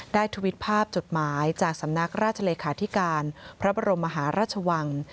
ทวิตภาพจดหมายจากสำนักราชเลขาธิการพระบรมมหาราชวัง